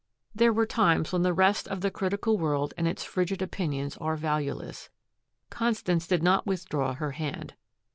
There are times when the rest of the critical world and its frigid opinions are valueless. Constance did not withdraw her hand.